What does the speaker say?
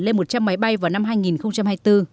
lên một trăm linh máy bay vào năm hai nghìn hai mươi bốn